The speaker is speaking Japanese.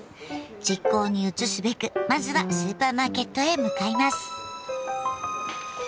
実行に移すべくまずはスーパーマーケットへ向かいます。